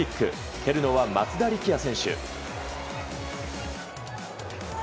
蹴るのは松田力也選手。